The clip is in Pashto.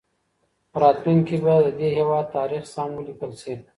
په راتلونکي کي به د دې هېواد تاریخ سم ولیکل سي.